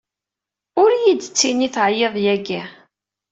Ur iyi-d-ttini teɛyid yagi.